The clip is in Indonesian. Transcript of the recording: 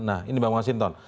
nah ini pak mas inton